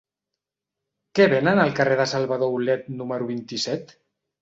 Què venen al carrer de Salvador Aulet número vint-i-set?